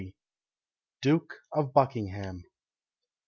DUKE OF BUCKINGHAM.